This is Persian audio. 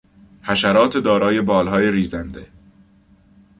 حشرات دارای بالهای ریزنده